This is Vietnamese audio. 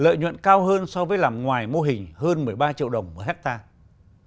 lợi nhuận cao hơn so với làm ngoài mô hình hơn một mươi ba triệu đồng một hectare